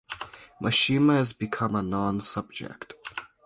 Mishima has become a non-subject.